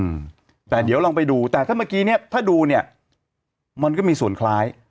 อืมแต่เดี๋ยวลองไปดูแต่ถ้าเมื่อกี้เนี้ยถ้าดูเนี้ยมันก็มีส่วนคล้าย